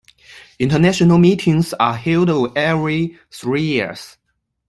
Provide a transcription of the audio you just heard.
International meetings are held every three years.